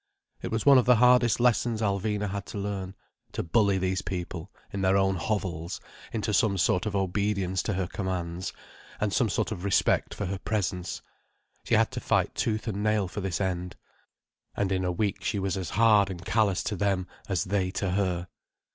It was one of the hardest lessons Alvina had to learn—to bully these people, in their own hovels, into some sort of obedience to her commands, and some sort of respect for her presence. She had to fight tooth and nail for this end. And in a week she was as hard and callous to them as they to her.